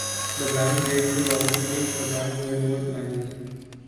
The band breaks the law by singing in the banned Mohelmot language.